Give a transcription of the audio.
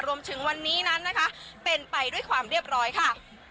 รวมถึงวันนี้นั้นนะคะเป็นไปด้วยความเรียบร้อยค่ะ